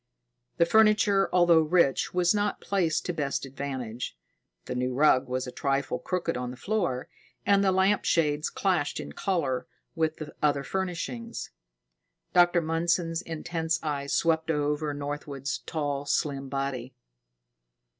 The furniture, although rich, was not placed to best advantage. The new rug was a trifle crooked on the floor, and the lamp shades clashed in color with the other furnishings. Dr. Mundson's intense eyes swept over Northwood's tall, slim body.